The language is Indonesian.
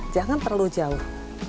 jangan perlu jauh